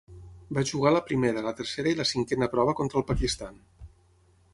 Va jugar la Primera, la Tercera i la Cinquena Prova contra el Pakistan.